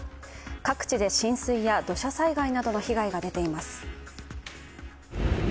各地で浸水や土砂災害などの被害が出ています。